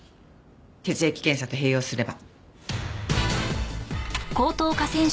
血液検査と併用すれば。